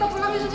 ya udah deh